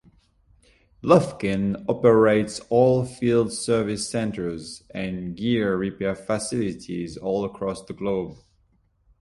Lufkin operates oilfield service centers and gear repair facilities all across the globe.